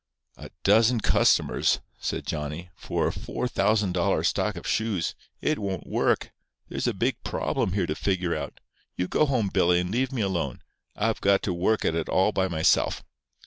"A dozen customers," said Johnny, "for a $4,000 stock of shoes! It won't work. There's a big problem here to figure out. You go home, Billy, and leave me alone. I've got to work at it all by myself.